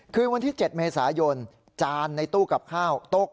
คืนวันที่๗เมษายนจานในตู้กับข้าวตก